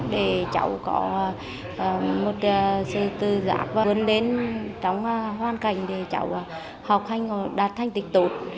để cháu có một sự tư giác và vươn lên trong hoàn cảnh để cháu học hành đạt thành tích tốt